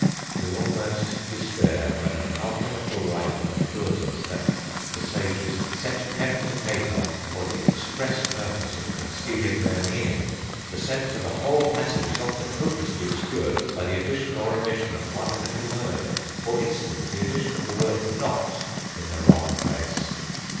We almost despair when an alchemical writer assures us that the Sages "Set pen to paper for the express purpose of concealing their meaning. The sense of a whole passage is often hopelessly obscured by the addition or omission of one little word, for instance the addition of the word not in the wrong place."